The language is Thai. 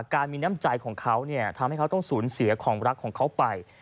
การมีน้ำใจของเขาทำให้เขาต้องสูญเสียของรักของเขาไป